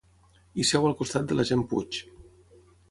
Hi seu al costat de l'agent Puig.